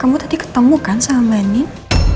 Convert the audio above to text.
kamu tadi ketemu kan sama nim